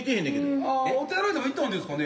ああお手洗いでも行ったんですかね。